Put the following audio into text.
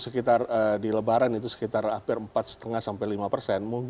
kalau kita hanya bertumbuh di lebaran itu sekitar hampir empat lima sampai lima persen